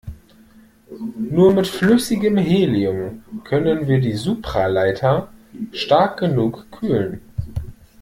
Nur mit flüssigem Helium können wir die Supraleiter stark genug kühlen.